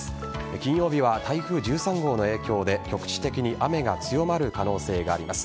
金曜日は台風１３号の影響で局地的に雨が強まる可能性があります。